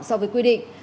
so với quy định